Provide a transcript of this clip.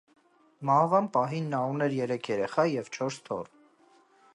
Մահվան պահին նա ուներ երեք երեխա և չորս թոռ։